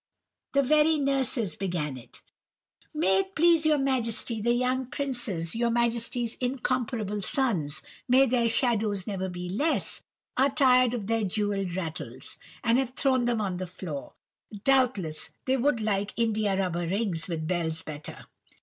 "The very nurses began it:— "'May it please your Majesty, the young princes, your Majesty's incomparable sons—may their shadows never be less!—are tired of their jewelled rattles, and have thrown them on the floor. Doubtless they would like India rubber rings with bells better.